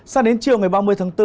sao đến chiều ngày ba mươi tháng bốn